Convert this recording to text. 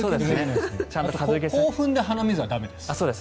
興奮で鼻水は駄目です。